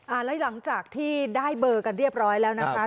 แล้วหลังจากที่ได้เบอร์กันเรียบร้อยแล้วนะคะ